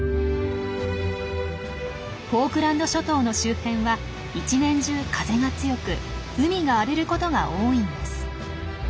フォークランド諸島の周辺は一年中風が強く海が荒れることが多いんです。